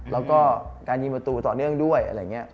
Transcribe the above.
แล้วก็การยิงประตูต่อเนื่องด้วยอะไรอย่างนี้